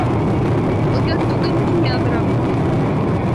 Оят түгелме һиңә аҙыраҡ?